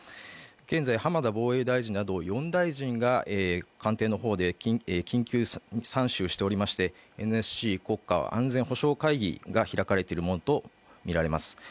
現在浜田防衛大臣など４大臣が官邸の方で緊急参集していまして、ＮＳＣ＝国家安全保障会議が開かれているものとみられます。